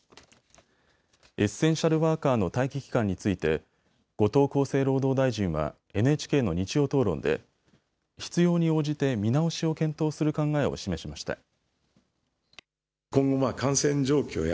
エッセンシャルワーカーの待機期間について後藤厚生労働大臣はＮＨＫの日曜討論で必要に応じて見直しを検討する考えを示しました。